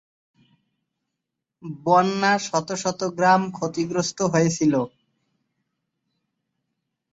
বন্যা শত শত গ্রাম ক্ষতিগ্রস্ত হয়েছিল।